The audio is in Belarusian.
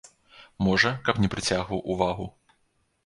Можа, каб не прыцягваў увагу.